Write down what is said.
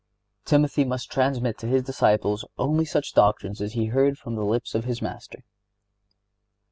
(72) Timothy must transmit to his disciples only such doctrines as he heard from the lips of his Master.